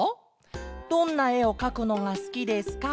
「どんなえをかくのがすきですか？